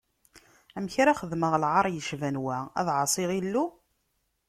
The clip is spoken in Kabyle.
Amek ara xedmeɣ lɛaṛ yecban wa, ad ɛaṣiɣ Illu?